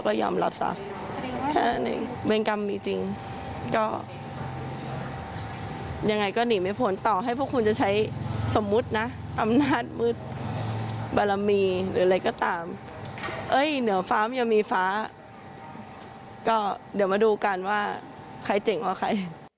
ก็เดี๋ยวมาดูกันว่าใครเจ๋งว่าใคร